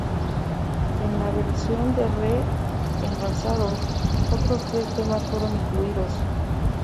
En la versión de re-envasados, otros tres temas fueron incluidos.